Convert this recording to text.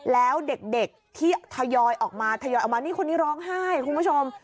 แล้วเด็กที่ทยอยออกมาทยอยออกมานี่คนนี้ร้องไห้คุณผู้ชม